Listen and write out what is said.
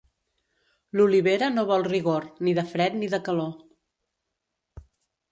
L'olivera no vol rigor, ni de fred ni de calor.